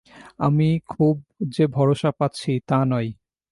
আমি খুব, যে ভরসা পাচ্ছি, তা নয়।